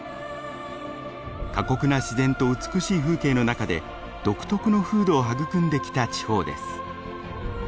過酷な自然と美しい風景の中で独特の風土を育んできた地方です。